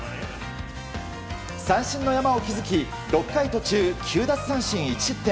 三振の山を築き、６回途中９奪三振１失点。